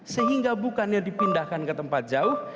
sehingga bukannya dipindahkan ke tempat jauh